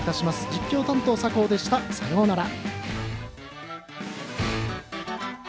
実況担当、酒匂でしたさようなら。